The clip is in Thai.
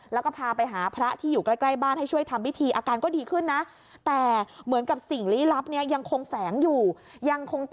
แล้วก็พาไปหาพระที่อยู่ใกล้บ้าน